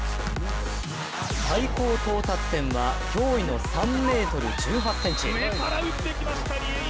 最高到達点は驚異の３ｍ１８ｃｍ。